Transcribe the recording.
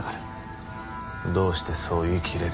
どうしてそう言い切れる？